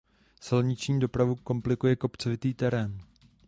Silniční dopravu komplikuje kopcovitý terén.